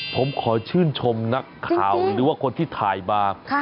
ผมขอชื่นชมนักข่าวหรือว่าคนที่ถ่ายมา